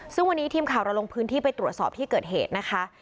ซึ่งวันนี้ทีมข่าวเราลงพื้นที่ไปตรวจสอบที่เกิดเหตุนะคะ